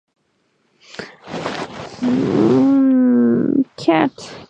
Mmmm... cat.